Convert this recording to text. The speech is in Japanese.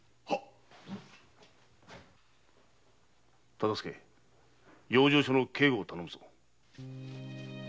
忠相養生所の警護を頼むぞ。